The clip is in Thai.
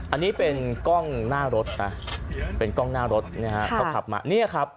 อันนี้เป็นกล้องหน้ารถนะเป็นกล้องหน้ารถนะฮะเขาขับมาเนี่ยครับ